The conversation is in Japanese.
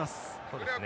そうですね。